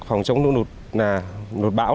phòng chống nụ nụt bão